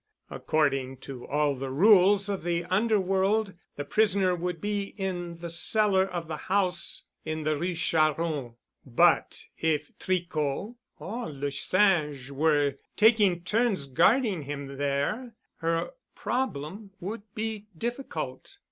According to all the rules of the underworld the prisoner would be in the cellar of the house in the Rue Charron. But if Tricot or Le Singe were taking turns guarding him there, her problem would be difficult.